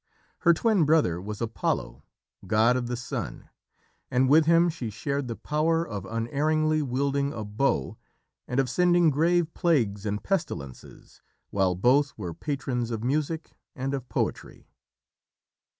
Her twin brother was Apollo, god of the sun, and with him she shared the power of unerringly wielding a bow and of sending grave plagues and pestilences, while both were patrons of music and of poetry.